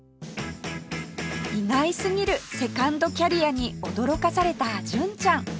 意外すぎるセカンドキャリアに驚かされた純ちゃん